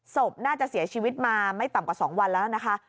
ศพน่าจะเสียชีวิตมาไม่ต่ำกว่า๒วันแล้วนะคะ